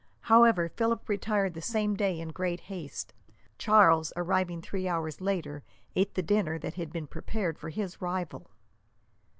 However, Philip retired the same day in great haste. Charles, arriving three hours later, ate the dinner that had been prepared for his rival.